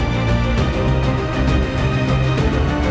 โปรดติดตามตอนต่อไป